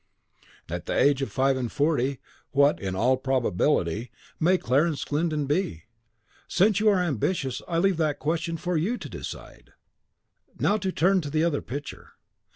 At the age of five and forty, what, in all probability, may Clarence Glyndon be? Since you are ambitious I leave that question for you to decide! Now turn to the other picture.